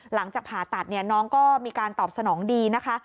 หลังจากผ่าตัดน้องก็มีการตอบสนองดีนะคะ